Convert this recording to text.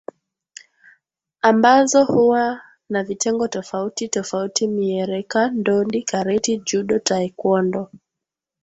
ambazo huwa na vitengo tofauti tofauti miereka Ndodi kareti judo taekwondo